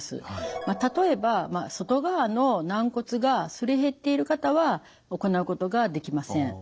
例えば外側の軟骨がすり減っている方は行うことができません。